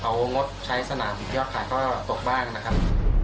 เพราะว่าเอางดใช้สนามพิพิศาธิ์ก็ตกบ้างนะครับ